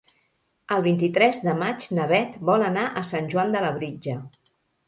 El vint-i-tres de maig na Bet vol anar a Sant Joan de Labritja.